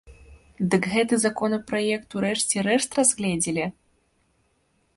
Дык гэты законапраект у рэшце рэшт разгледзелі?